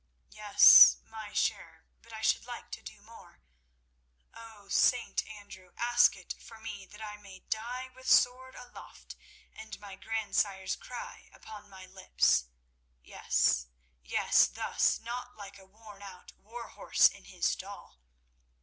"Yes, my share; but I should like to do more. Oh, St. Andrew, ask it for me that I may die with sword aloft and my grandsire's cry upon my lips. Yes, yes; thus, not like a worn out war horse in his stall.